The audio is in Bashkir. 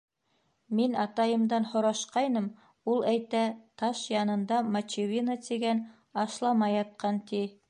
— Мин атайымдан һорашҡайным, ул әйтә, таш янында мочевина тигән ашлама ятҡан, ти.